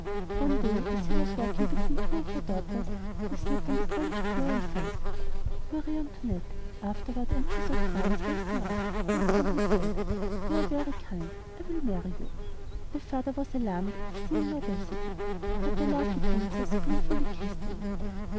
One day as he was walking between two of her daughters, he slipped on the polished floor and fell. Marie Antoinette, afterward Empress of France, raised him up, whereupon he said, "You are very kind; I will marry you." The father was alarmed at this seeming audacity; but the lovely Princess playfully kissed him.